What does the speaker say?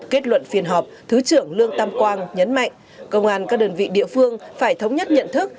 kết luận phiên họp thứ trưởng lương tam quang nhấn mạnh công an các đơn vị địa phương phải thống nhất nhận thức